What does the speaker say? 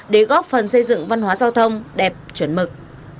để góp phần xây dựng văn hóa giao thông đẹp chuẩn mực